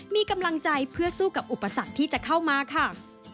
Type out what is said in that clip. มีกำลังใจเพื่อสู้กับอุปสรรคที่จะเข้ามาค่ะ